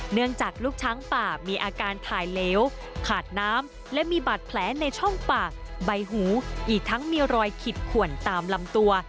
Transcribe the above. เนื่องจากลูกช้างป่ามีอาการถ่ายเหลวขาดน้ำและมีบาดแผลในช่องปากใบหูอีกทั้งมีรอยขิดขวนตามลำตัว